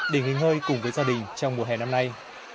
để nghỉ hơi cùng với gia đình trong mùa hè năm nay